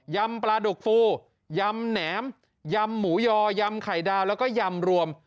ำปลาดุกฟูยำแหนมยำหมูยอยำไข่ดาวแล้วก็ยำรวม